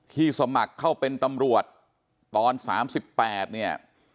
สมัครเข้าเป็นตำรวจตอน๓๘เนี่ย